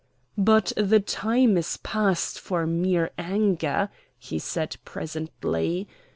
"But the time is past for mere anger," he said presently.